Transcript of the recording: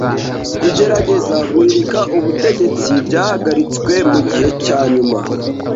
Kugerageza guhirika ubutegetsi byahagaritswe mugihe cyanyuma